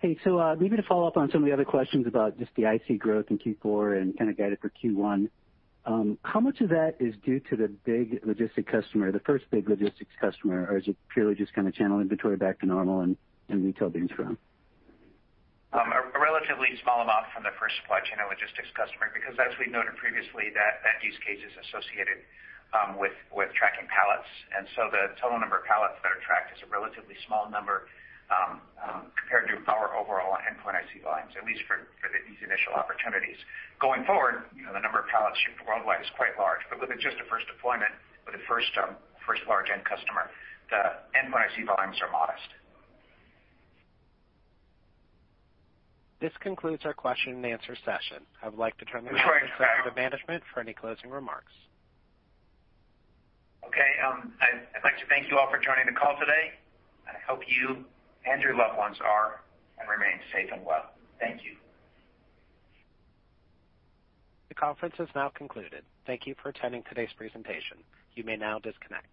Hey, so maybe to follow up on some of the other questions about just the IC growth in Q4 and kind of guided for Q1, how much of that is due to the big logistics customer, the first big logistics customer, or is it purely just kind of channel inventory back to normal and retail being strong? A relatively small amount from the first supply chain and logistics customer because, as we've noted previously, that use case is associated with tracking pallets, and so the total number of pallets that are tracked is a relatively small number compared to our overall endpoint IC volumes, at least for these initial opportunities. Going forward, the number of pallets shipped worldwide is quite large, but with just the first deployment, with the first large end customer, the endpoint IC volumes are modest. This concludes our question-and-answer session. I would like to turn this over to the management for any closing remarks. Okay. I'd like to thank you all for joining the call today. I hope you and your loved ones are and remain safe and well. Thank you. The conference is now concluded. Thank you for attending today's presentation. You may now disconnect.